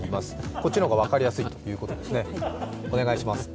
こっちの方が分かりやすいということですね。